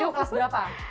itu kelas berapa